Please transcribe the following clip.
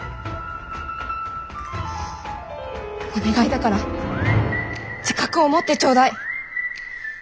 お願いだから自覚を持ってちょうだい。